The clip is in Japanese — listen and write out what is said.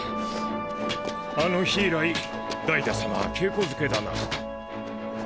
あの日以来ダイダ様は稽古漬けだな。